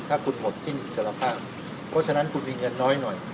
ถ้าคุณหมดสิ้นอิสรภาพเพราะฉะนั้นคุณมีเงินน้อยหน่อย